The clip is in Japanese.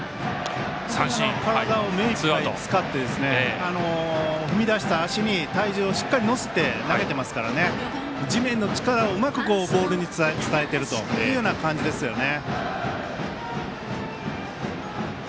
体を目いっぱい使って踏み出した足に体重をしっかり乗せて投げていますから地面の力をうまくボールに伝えているというような感じですよね。